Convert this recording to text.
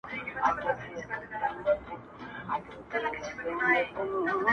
جګړه نښتې په سپین سبا ده-